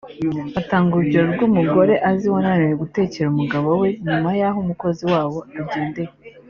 Atanga urugero rw’umugore azi wananiwe no gutekera umugabo we nyuma y’aho umukozi wabo agendeye